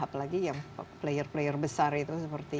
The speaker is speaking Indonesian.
apalagi yang player player besar itu seperti